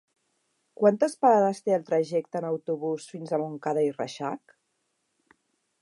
Quantes parades té el trajecte en autobús fins a Montcada i Reixac?